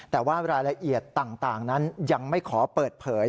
แต่ว่ารายละเอียดต่างนั้นยังไม่ขอเปิดเผย